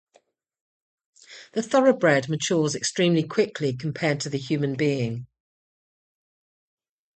The thoroughbred matures extremely quickly compared to the human being.